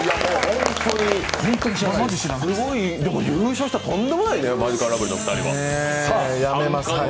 優勝したらとんでもないね、マヂカルラブリーのお二人は。